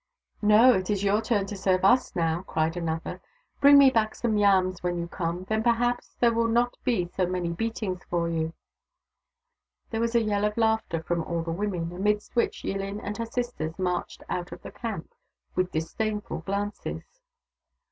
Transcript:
" No — it is your turn to serve us, now," cried another. " Bring me back some j^ams when you come — then perhaps there will not be so many beatings for you !" There was a yell of laughter from all the women, amidst which Yillin and her sisters marched out of the camp, with disdainful glances.